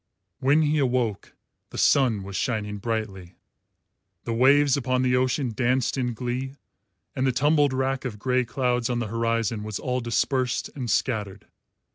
When he awoke, the sun was shining brightly, the waves upon the ocean danced in glee, and the tumbled rack of grey clouds on the horizon was all dispersed and scattered.